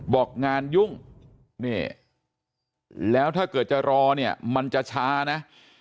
บอกงานยุ่งนี่แล้วถ้าเกิดจะรอเนี่ยมันจะช้านะ